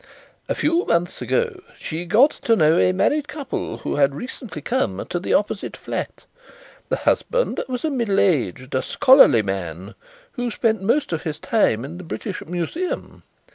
A few months ago she got to know a married couple who had recently come to the opposite flat. The husband was a middle aged, scholarly man who spent most of his time in the British Museum.